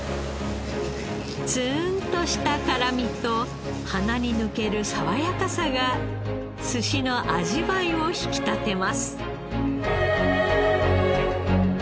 ツーンとした辛みと鼻に抜ける爽やかさが寿司の味わいを引き立てます。